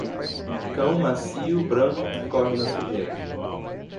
Cão macio branco que corre na sujeira.